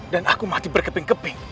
dan aku mati berkeping keping